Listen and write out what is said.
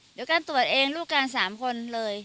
เดี๋ยวการตรวจเองลูกการ๓คนเลย